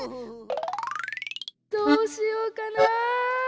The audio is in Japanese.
どうしようかな。